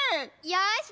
よし。